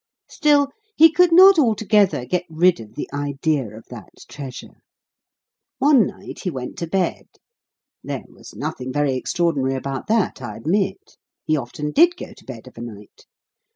Still, he could not altogether get rid of the idea of that treasure. One night he went to bed. There was nothing very extraordinary about that, I admit. He often did go to bed of a night.